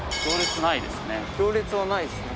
行列ないですね。